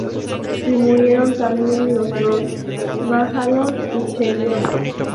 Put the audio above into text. Y murieron también los dos, Mahalón y Chelión.